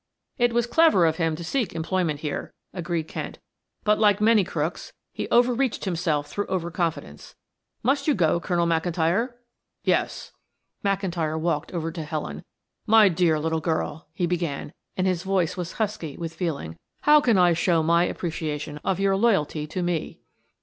"It was clever of him to seek employment here," agreed Kent. "But like many crooks he over reached himself through over confidence. Must you go, Colonel McIntyre?" "Yes." McIntyre walked over to Helen. "My dear little girl," he began and his voice was husky with feeling. "How can I show my appreciation of your loyalty to me?"